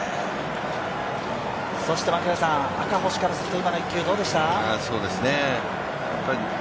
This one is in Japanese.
そして赤星からすると今の１球、どうでした？